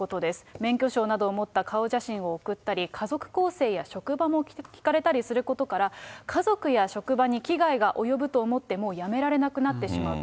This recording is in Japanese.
免許証などを持った顔写真を送ったり、家族構成や職場も聞かれたりすることから、家族や職場に危害が及ぶと思って、もう辞められなくなってしまうと。